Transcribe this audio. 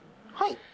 はい。